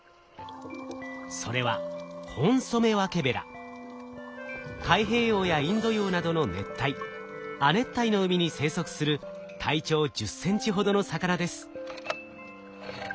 それは太平洋やインド洋などの熱帯亜熱帯の海に生息する体長１０センチほどの魚です。